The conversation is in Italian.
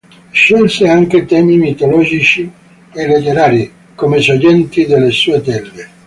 Scelse anche temi mitologici e letterari, come soggetti delle sue tele.